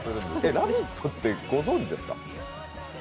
「ラヴィット！」ってご存じですか？